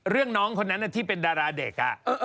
น้องคนนั้นที่เป็นดาราเด็ก